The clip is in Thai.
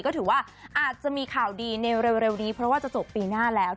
ก็ถือว่าอาจจะมีข่าวดีในเร็วนี้เพราะว่าจะจบปีหน้าแล้ว